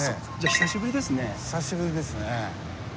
久しぶりですね。